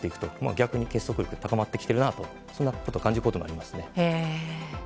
逆に結束力が高まってきているなと感じることがありますね。